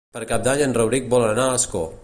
Per Cap d'Any en Rauric vol anar a Ascó.